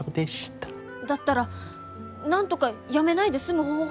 だったらなんとか辞めないで済む方法を。